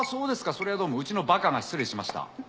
そりゃどうもうちのバカが失礼しました。